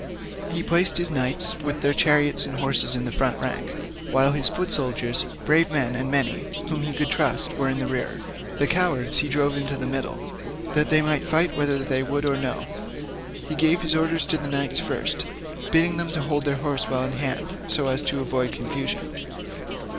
He placed his knights with their chariots and horses in the front rank, while the foot soldiers, brave men and many, whom he could trust, were in the rear. The cowards he drove into the middle, that they might fight whether they would or no. He gave his orders to the knights first, bidding them hold their horses well in hand, so as to avoid confusion.